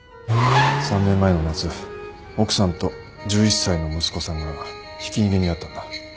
３年前の夏奥さんと１１歳の息子さんがひき逃げに遭ったんだ。